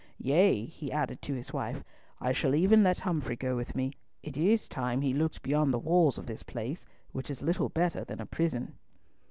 "Yea," he added to his wife, "I shall even let Humfrey go with me. It is time he looked beyond the walls of this place, which is little better than a prison."